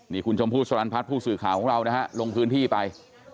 นี่คุณชมพู่สลันพัฒน์ผู้สื่อข่าวของเรานะฮะลงพื้นที่ไป